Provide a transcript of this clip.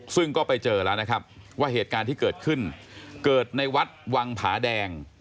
ซึ่งก็ไปเจอแล้วนะครับว่าเหตุการณ์ที่เกิดขึ้นเกิดในวัดวังผาแดง